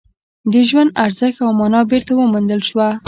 د ژوند ارزښت او مانا بېرته وموندل شوه